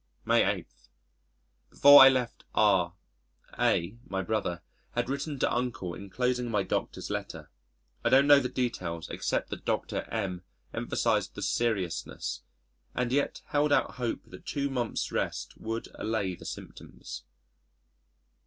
May 8. Before I left R , A [My brother] had written to Uncle enclosing my doctor's letter. I don't know the details except that Dr. M emphasised the seriousness and yet held out hope that two months' rest would allay the symptoms.